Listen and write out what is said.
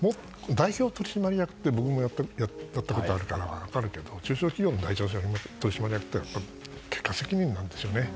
代表取締役って僕もやったことあるから分かるけど中小企業の取締役って結果責任なんですよね。